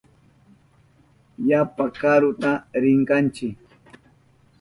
Yapa karuta rinkanchi.